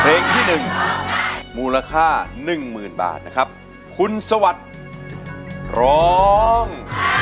ที่หนึ่งมูลค่าหนึ่งหมื่นบาทนะครับคุณสวัสดิ์ร้อง